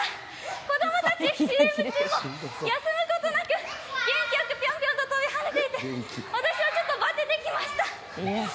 子供たち、ＣＭ中も休むことなく、元気よくぴょんぴょんと跳びはねていて私はちょっとバテてきました。